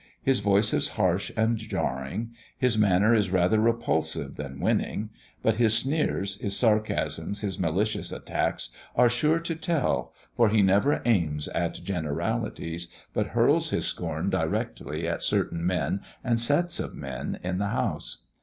His voice is harsh and jarring; his manner is rather repulsive than winning; but his sneers, his sarcasms, his malicious attacks, are sure to tell, for he never aims at generalities, but hurls his scorn directly at certain men and sets of men in the House.